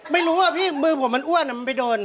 ไม่รู้ว่าพี่มือผมมันอ้วนมันไปโดน